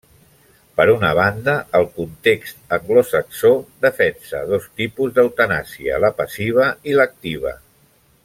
Per una banda, el context anglosaxó defensa dos tipus d'eutanàsia, la passiva i l'activa.